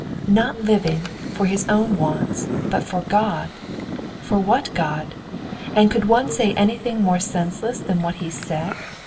"Not living for his own wants, but for God? For what God? And could one say anything more senseless than what he said?